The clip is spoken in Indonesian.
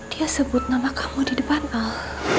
dia sebut nama kamu di depan al